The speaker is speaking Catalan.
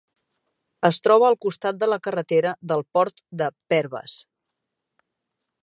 Es troba al costat de la carretera del port de Perves.